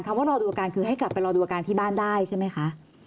ว่ารอดูอาการคือให้กลับไปรอดูอาการที่บ้านได้ใช่ไหมคะ